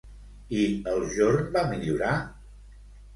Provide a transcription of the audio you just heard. I el jorn va millorar?